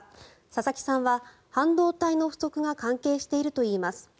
佐々木さんは、半導体の不足が関係しているといいます。